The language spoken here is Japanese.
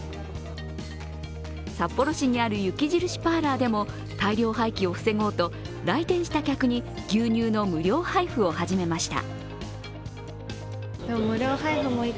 札幌市にある雪印パーラーでも大量廃棄を防ごうと来店した客に牛乳の無料配布を始めました。